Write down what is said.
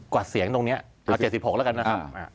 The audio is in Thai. กว่าเสียงตรงนี้เอา๗๖แล้วกันนะครับ